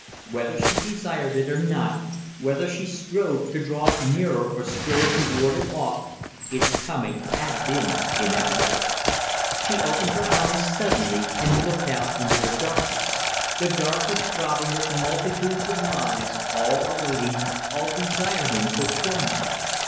Whether she desired it or no, whether she strove to draw it nearer or strove to ward it off, its coming had been inevitable. She opened her eyes suddenly and looked out into the darkness the darkness throbbing with multitudes of lives, all awaiting, all desiring fulfilment.